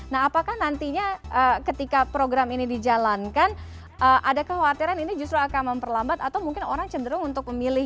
nah apakah nantinya ketika program ini dijalankan ada kekhawatiran ini justru akan memperlambat atau mungkin orang cenderung untuk memilih